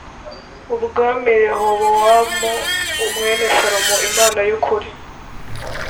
ubwami rehobowamu mwene salomo imana y ukuri